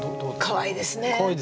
かわいいですよね。